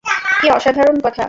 কী অসাধারণ কথা!